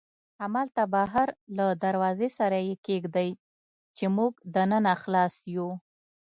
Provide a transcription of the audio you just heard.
همالته بهر له دروازې سره یې کېږدئ، چې موږ دننه خلاص یو.